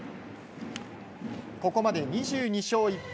ここまで２２勝１敗